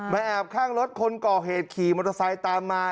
แอบข้างรถคนก่อเหตุขี่มอเตอร์ไซค์ตามมา